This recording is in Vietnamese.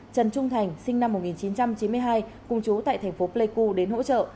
trần trung thành sinh năm một nghìn chín trăm chín mươi hai cùng chú tại thành phố pleiku đến hỗ trợ